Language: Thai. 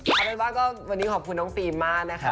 เอาเป็นว่าก็วันนี้ขอบคุณน้องฟิล์มมากนะคะ